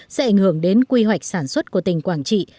sẽ ảnh hưởng đến quy hoạch sản xuất của tỉnh quảng trị